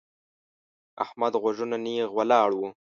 احمد غوږونه نېغ ولاړ وو.